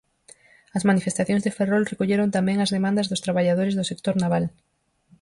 As manifestacións de Ferrol recolleron tamén as demandas dos traballadores do sector naval.